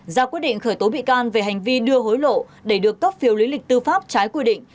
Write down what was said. ra quyết định khởi tố bị can về hành vi đưa hối lộ để được cấp phiếu lý lịch tư pháp trái quy định